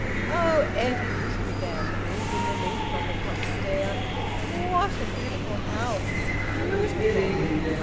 "Oh, Edwin!" she began, breathing relief on the top stair. "What a beautiful house! Beautiful!